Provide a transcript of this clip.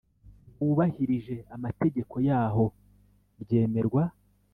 bwubahirije amategeko yaho ryemerwa